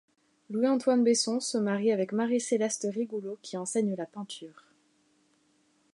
Louis Antoine Besson se marie le avec Marie Céleste Rigoulot qui enseigne la peinture.